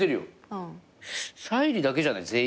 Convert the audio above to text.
沙莉だけじゃない？